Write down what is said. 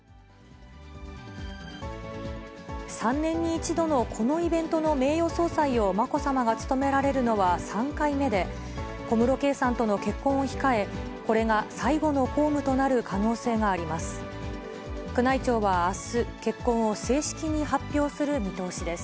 ３年に１度のこのイベントの名誉総裁をまこさまが務められるのは３回目で、小室圭さんとの結婚を控え、これが最後の公務となる可能性があります。